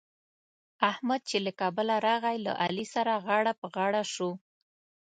احمد چې له کابله راغی؛ له علي سره غاړه په غاړه شو.